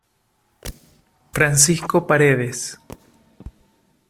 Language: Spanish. Francisco Paredes.